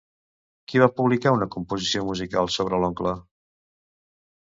Qui va publicar una composició musical sobre l'Oncle?